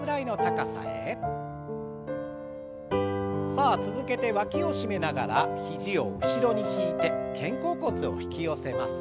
さあ続けてわきを締めながら肘を後ろに引いて肩甲骨を引き寄せます。